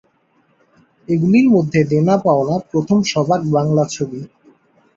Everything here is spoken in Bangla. এগুলির মধ্যে দেনা-পাওনা প্রথম সবাক বাংলা ছবি।